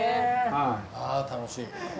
あぁ楽しい。